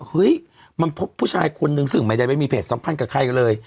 เฮ้ยมันพบผู้ชายคนนึงซึ่งไม่ได้ไปมีเพศสัมพันธ์กับใครกันเลย